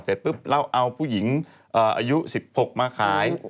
เสร็จปุ๊บเราเอาผู้หญิงอายุ๑๖มาขาย